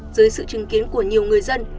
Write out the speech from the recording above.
dưới sự chứng kiến của nhiều người dân